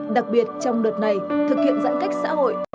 đặc biệt trong đợt này thực hiện giãn cách xã hội